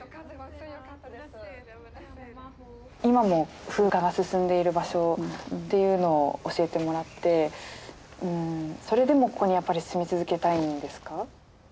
今も風化が進んでいる場所っていうのを教えてもらってそれでもここにやっぱり住み続けたいんですか？